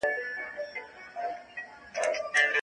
د لویې جرګي په اړه پوهاوی څنګه خپریږي؟